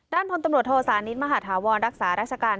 ด้านพลตำรวจโทษานิดมหาธาวรรชารักษารักษาการ